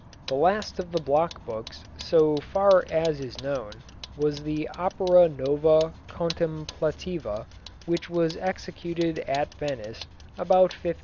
The last of the block books, so far as is known, was the Opera nova contemplativa, which was executed at Venice about 1510.